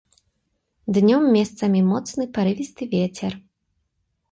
Днём месцамі моцны парывісты вецер.